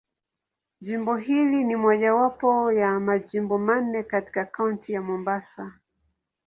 Jimbo hili ni mojawapo ya Majimbo manne katika Kaunti ya Mombasa.